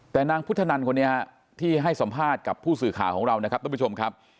แต่นางพุทธนันทร์คนนี้ที่ให้สัมภาษณ์กับผู้สื่อข่าวของเรานะครับ